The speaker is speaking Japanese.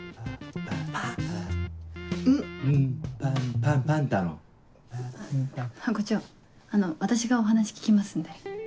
パンパンタロン？ハコ長あの私がお話聞きますんで。